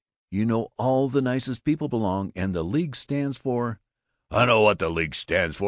You know all the nicest people belong, and the League stands for " "I know what the League stands for!